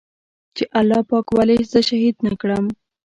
چې الله پاک ولې زه شهيد نه کړم.